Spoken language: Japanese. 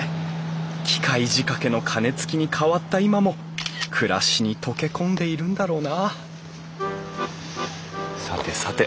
機械仕掛けの鐘つきに変わった今も暮らしに溶け込んでいるんだろうなさてさて